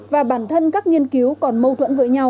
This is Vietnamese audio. và bản thân các nghiên cứu còn mâu thuẫn với nhau